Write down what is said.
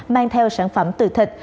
mang theo sản phẩm từ thịt